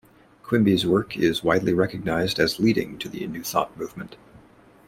Quimby's work is widely recognized as leading to the New Thought movement.